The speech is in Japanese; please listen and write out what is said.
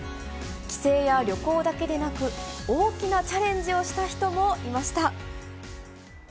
帰省や旅行だけでなく、大きなチャレンジをした人もいました。